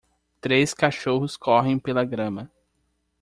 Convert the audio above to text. três cachorros correm pela grama.